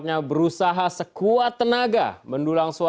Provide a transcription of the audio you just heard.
yang terakhir adalah pertanyaan dari anak muda